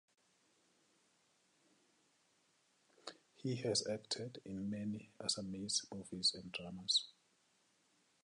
He has acted in many Assamese movies and dramas.